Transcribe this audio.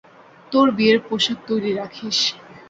তোর বিয়ের পোশাক তৈরি রাখিস।